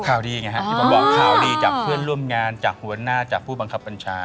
ข่าวดีไงฮะที่ผมบอกข่าวดีจากเพื่อนร่วมงานจากหัวหน้าจากผู้บังคับบัญชา